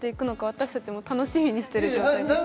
私達も楽しみにしてる状態です